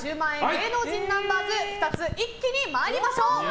芸能人ナンバーズ２つ一気に参りましょう！